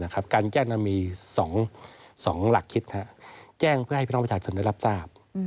การแจ้งนั้นมี๒หลักคิดแจ้งเพื่อให้พี่น้องประชาชนได้รับทราบ